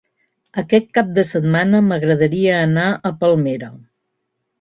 Aquest cap de setmana m'agradaria anar a Palmera.